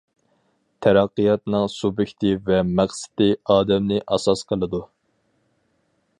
تەرەققىياتنىڭ سۇبيېكتى ۋە مەقسىتى ئادەمنى ئاساس قىلىدۇ.